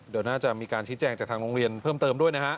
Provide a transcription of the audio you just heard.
เดี๋ยวน่าจะมีการชี้แจงจากทางโรงเรียนเพิ่มเติมด้วยนะฮะ